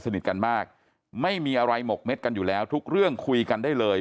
กันมากไม่มีอะไรหมกเม็ดกันอยู่แล้วทุกเรื่องคุยกันได้เลย